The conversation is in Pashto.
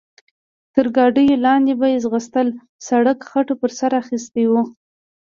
تر ګاډیو لاندې به یې ځغستل، سړک خټو پر سر اخیستی و.